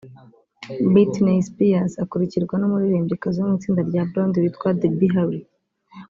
Britney Spears akurikirwa n’umuririmbyikazi wo mu itsinda rya Blondie witwa Debbie Harry